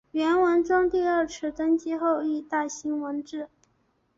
元文宗第二次登基后亦大兴文治。